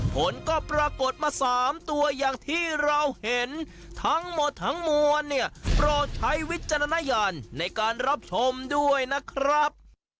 ผลก็ปรากฏมา๓ตัวอย่างที่เราเห็นทั้งหมดทั้งมวลเนี่ยโปรดใช้วิจารณญาณในการรับชมด้วยนะครับ